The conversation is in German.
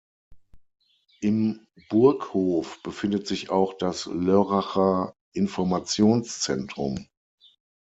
Im Burghof befindet sich auch das Lörracher Informationszentrum.